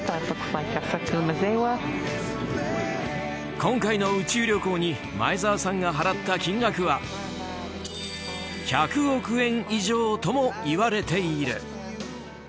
今回の宇宙旅行に前澤さんが払った金額は１００億円以上ともいわれている。